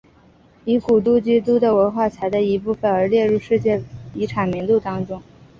以古都京都的文化财的一部分而列入世界遗产名录当中。